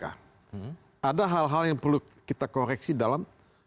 ada hal hal yang perlu kita koreksi dalam